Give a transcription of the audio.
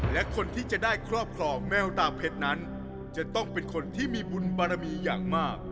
และคนที่จะได้ครอบครองแมวตาเพชรนั้นจะต้องเป็นคนที่มีบุญบารมีอย่างมาก